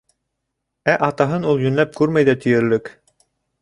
Ә атаһын ул йүнләп күрмәй ҙә тиерлек.